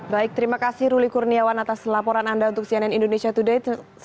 baik terima kasih ruli kurniawan atas laporan anda untuk cnn indonesia today